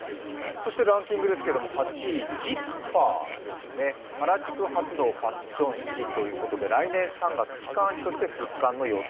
ランキングですけど、８位、Ｚｉｐｐｅｒということで原宿発のファッション誌ということで来年３月、季刊誌として復刊の予定。